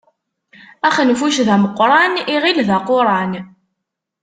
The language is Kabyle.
Axenfuc d ameqqṛan, iɣil d aquṛan.